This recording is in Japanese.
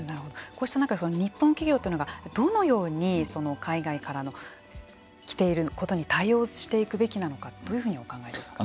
こうした中日本企業というのがどのように海外からの来ていることに対応していくべきかどういうふうにお考えですか。